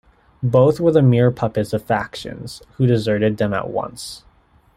Both were the mere puppets of factions, who deserted them at once.